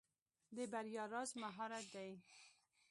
د بریا راز مهارت دی.